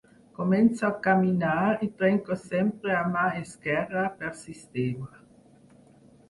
Començo a caminar i trenco sempre a mà esquerra, per sistema.